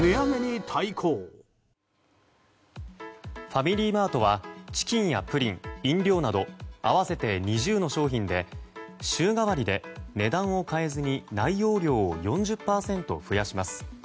ファミリーマートはチキンやプリン、飲料など合わせて２０の商品で週替わりで値段を変えずに内容量を４０％増やします。